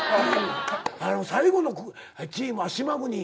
最後のチームは島国。